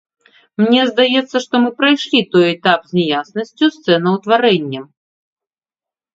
Мне здаецца, што мы прайшлі той этап з няяснасцю з цэнаўтварэннем.